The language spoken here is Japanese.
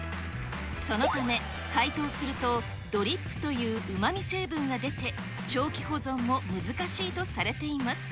そのため、解凍するとドリップといううまみ成分が出て、長期保存も難しいとされています。